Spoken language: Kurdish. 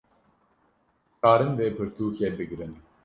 karin vê pirtûkê bigrin